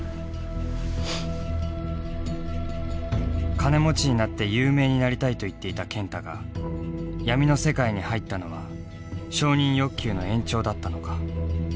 「金持ちになって有名になりたい」と言っていた健太が闇の世界に入ったのは承認欲求の延長だったのか。